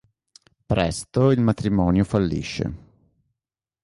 Presto il matrimonio fallisce.